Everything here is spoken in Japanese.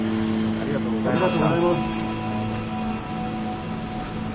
ありがとうございます。